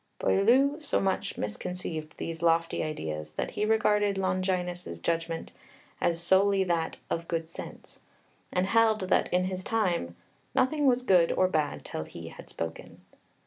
Boileau so much misconceived these lofty ideas that he regarded "Longinus's" judgment as solely that "of good sense," and held that, in his time, "nothing was good or bad till he had spoken."